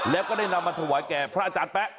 แล้วก็ได้นำมาถวายแก่พระอาจารย์แป๊ะ